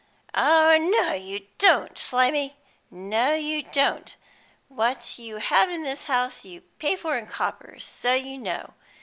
"No, you don't, Slimy! No, you don't! What you have in this house you pay for in coppers, so you know.